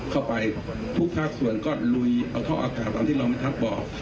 เข้าไปทุกภาคส่วนก็ลุยเอาท่ออากาศตามที่เราไม่ทักบอก